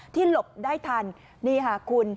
ที่หลบได้ทันนี่คุณ